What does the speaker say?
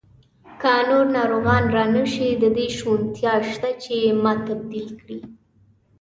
که نور ناروغان را نه شي، د دې شونتیا شته چې ما تبدیل کړي.